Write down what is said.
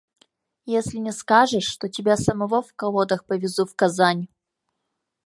Если не скажешь, то тебя самого в колодах повезу в Казань.